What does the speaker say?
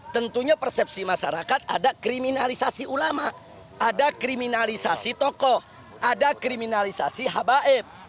tentunya persepsi masyarakat ada kriminalisasi ulama ada kriminalisasi tokoh ada kriminalisasi habaib